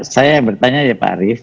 saya bertanya ya pak arief